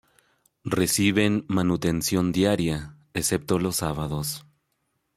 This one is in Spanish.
Reciben manutención diaria, excepto los sábados.